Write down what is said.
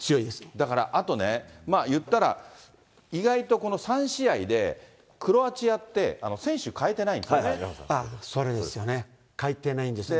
だから、あとね言ったら、意外とこの３試合で、クロアチアって、選手、それですよね、変えてないんですね。